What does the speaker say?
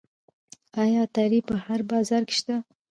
آیا عطاري په هر بازار کې نشته؟